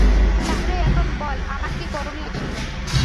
তাহলে এখন বল আমার কী করণীয় ছিল?